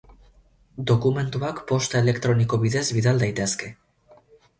Dokumentuak posta elektroniko bidez bidal daitezke.